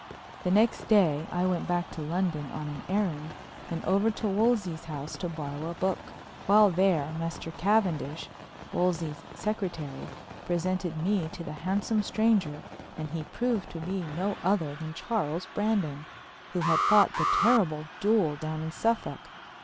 The next day I went back to London on an errand, and over to Wolsey's house to borrow a book. While there Master Cavendish, Wolsey's secretary, presented me to the handsome stranger, and he proved to be no other than Charles Brandon, who had fought the terrible duel down in Suffolk.